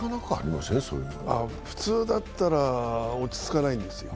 普通だったら落ち着かないんですよ。